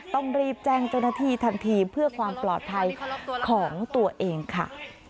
ต้องรีบแจ้งเจ้าหน้าที่ทันทีเพื่อความปลอดภัยของตัวเองค่ะ